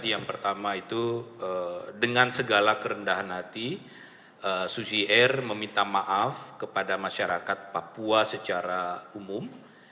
yang pertama itu dengan segala kerendahan hati susi air meminta maaf kepada masyarakat papua secara umum